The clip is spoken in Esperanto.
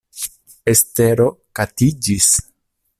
Estero katiĝis.